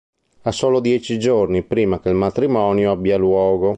Ha solo dieci giorni prima che il matrimonio abbia luogo.